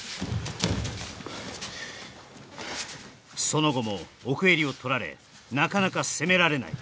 その後も奥襟を取られなかなか攻められない